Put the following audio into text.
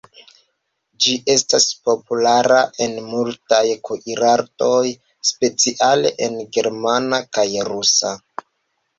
Ĝi estas populara en multaj kuirartoj, speciale en germana kaj rusa.